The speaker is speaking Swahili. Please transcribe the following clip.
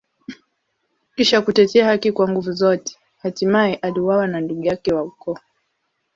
Kisha kutetea haki kwa nguvu zote, hatimaye aliuawa na ndugu yake wa ukoo.